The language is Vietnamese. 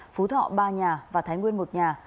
phú thọ ba nhà và thái nguyên một nhà